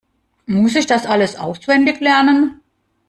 Muss ich das alles auswendig lernen?